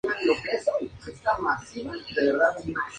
La película centró su producción durante un período de dos meses.